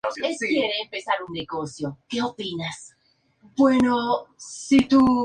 La sede del equipo se encontraba en Horsens, Jutlandia.